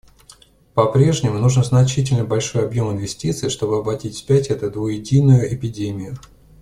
По-прежнему нужен значительно больший объем инвестиций, чтобы обратить вспять эту двуединую эпидемию.